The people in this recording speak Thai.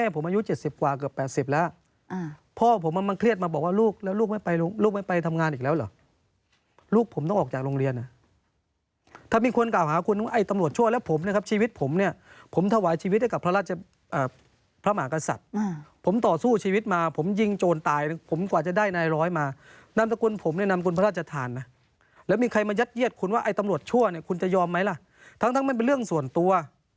เป็นตำรวจอยู่แต่ว่ามีเรื่องส่วนตัว